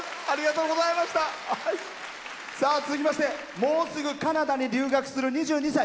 続きましてもうすぐカナダに留学する２２歳。